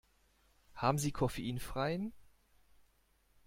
Haben Sie koffeinfreien?